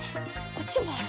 こっちもある。